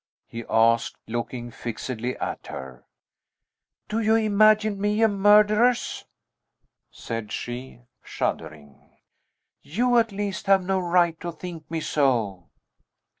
he asked, looking fixedly at her. "Do you imagine me a murderess?" said she, shuddering; "you, at least, have no right to think me so!"